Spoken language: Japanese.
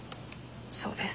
そうです。